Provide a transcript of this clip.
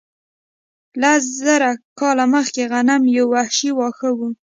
لس زره کاله مخکې غنم یو وحشي واښه و.